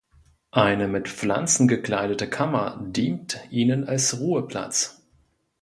Eine mit Pflanzen gekleidete Kammer dient ihnen als Ruheplatz.